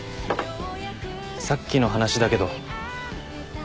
さっきの話だけど。